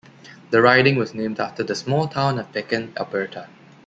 The riding was named after the small town of Pakan, Alberta.